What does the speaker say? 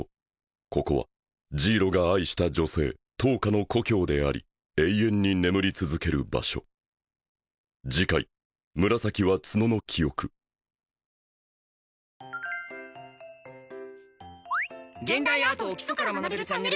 ここはジイロが愛した女性トオカの故郷であり永遠に眠り続ける場所「現代アートを基礎から学べるチャンネル」